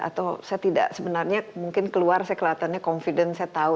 atau saya tidak sebenarnya mungkin keluar saya kelihatannya confident saya tahu